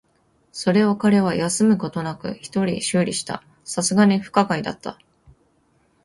それを彼は休むことなく一人修理した。流石に不可解だった。